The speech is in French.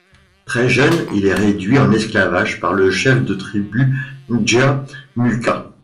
Très jeune, il est réduit en esclavage par le chef de tribu Djamuqa.